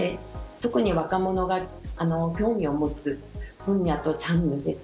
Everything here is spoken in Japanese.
特に若者が興味を持つ分野とジャンルです。